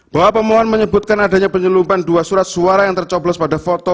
bahwa pemohon menyebutkan adanya penyelupan dua surat suara yang tercoblos pada foto